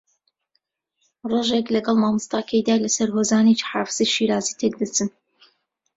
ڕۆژێک لەگەڵ مامۆستاکەیدا لەسەر ھۆزانێکی حافزی شیرازی تێکدەچن